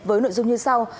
với nội dung như sau